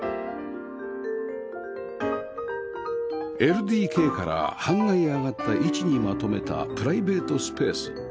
ＬＤＫ から半階上がった位置にまとめたプライベートスペース